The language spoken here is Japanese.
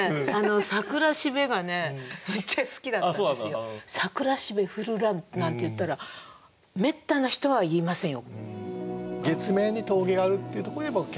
私このね「桜蘂降るらん」なんていったらめったな人は言いませんよ。